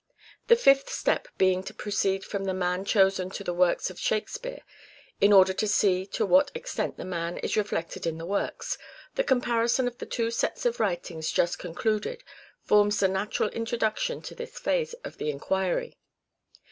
The fifth step being to proceed from the man chosen to the works of Shakespeare, in order to see to what extent the man is reflected in the works, the comparison of the two sets of writings just concluded forms the natural introduction to this phase of the enquiry.